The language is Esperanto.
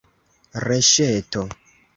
Reŝeto!